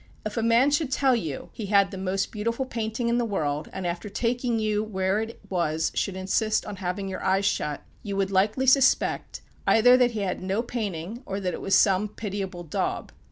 If a man should tell you that he had the most beautiful painting in the world, and after taking you where it was should insist upon having your eyes shut, you would likely suspect, either that he had no painting or that it was some pitiable daub.